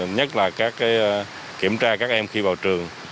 nhất là các kiểm tra các em khi vào trường